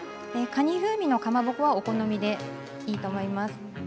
かに風味のかまぼこはお好みでいいと思います。